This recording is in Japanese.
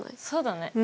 そうだね。